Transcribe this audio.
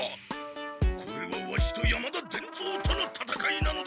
これはワシと山田伝蔵とのたたかいなのだ！